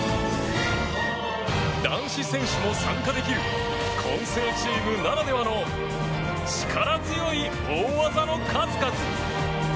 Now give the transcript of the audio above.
男子選手も参加できる混成チームならではの力強い大技の数々。